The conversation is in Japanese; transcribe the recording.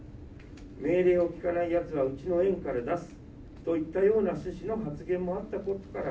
命令を聞かないやつはうちの園から出すといったような趣旨の発言